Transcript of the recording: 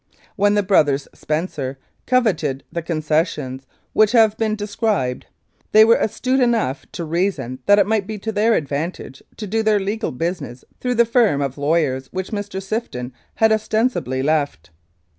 When the brothers Spencer coveted the concessions which have been de scribed they were astute enough to reason that it might be to their advantage to do their legal business through the firm of lawyers which Mr. Sifton had ostensibly left.